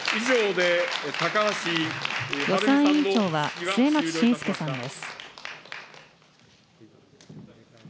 予算委員長は、末松信介さんです。